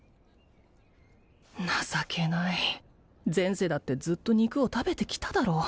情けない前世だってずっと肉を食べてきただろ？